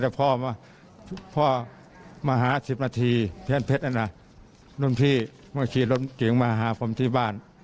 แต่พ่อมาพ่อมาหาสิบนาทีเพื่อนเพชรอันนั้นรุ่นพี่เมื่อกี้รถจิ๋งมาหาผมที่บ้าน